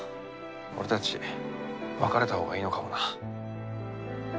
俺たち別れたほうがいいのかもな。